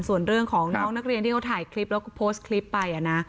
ส่วนเรื่องของน้องนักเรียนที่เขาถ่ายคลิปแล้วก็โพสต์คลิปไปนะ